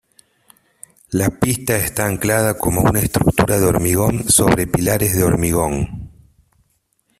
La pista está anclada como una estructura de hormigón sobre pilares de hormigón.